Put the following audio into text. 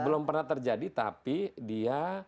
belum pernah terjadi tapi dia